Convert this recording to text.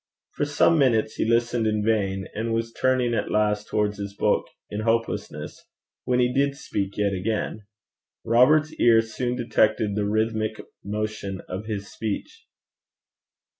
For some minutes he listened in vain, and was turning at last towards his book in hopelessness, when he did speak yet again: Robert's ear soon detected the rhythmic motion of his speech.